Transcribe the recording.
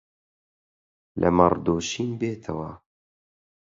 لە مەڕ دۆشین بێتەوە